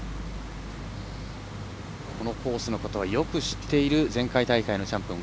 このコースのことはよく知っている前回大会のチャンピオン。